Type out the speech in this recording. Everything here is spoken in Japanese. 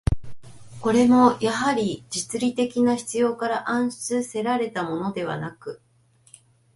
これもやはり、実利的な必要から案出せられたものではなく、